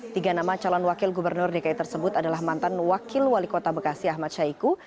tiga nama calon wakil gubernur dki tersebut adalah mantan wakil wali kota bekasi ahmad syahiku